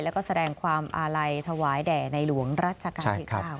แล้วก็แสดงความอาลัยถวายแด่ในหลวงรัชกาลที่๙